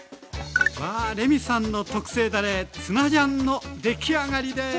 わあレミさんの特製だれツナジャンの出来上がりです。